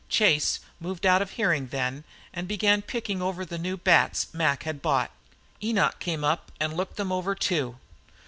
Chase moved out of hearing then and began picking over the new bats Mac had bought. Enoch came up and looked them over, too.